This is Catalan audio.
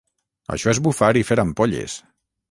Això és bufar i fer ampolles!